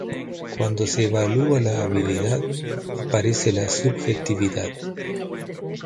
Cuando se evalúa la habilidad aparece la subjetividad.